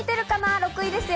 ６位ですよ。